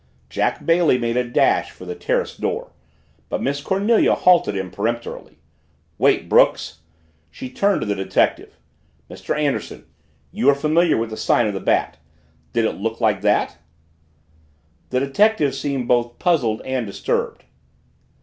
Jack Bailey made a dash for the terrace door. But Miss Cornelia halted him peremptorily. "Wait, Brooks!" She turned to the detective. "Mr. Anderson, you are familiar with the sign of the Bat. Did that look like it?" The detective seemed both puzzled and disturbed.